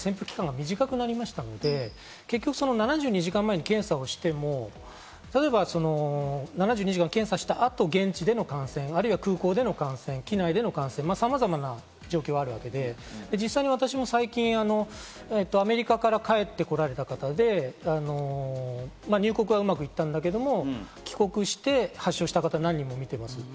ただオミクロン株になって潜伏期間がかなり短くなりましたので、７２時間前に検査をしても例えば７２時間検査した後、現地での感染、あるいは空港での感染、機内での感染、さまざまな状況があるわけで、実際、私も最近、アメリカから帰ってこられた方で入国はうまくいったんだけれども、帰国して発症した方、何人も診てます。